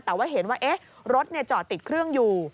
แต่ว่าเห็นว่ารถจอดติดเครื่องอยู่